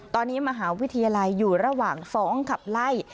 ตอนนี้มหาวิทยาลัยอยู่ระหว่างฟ้องขับไล่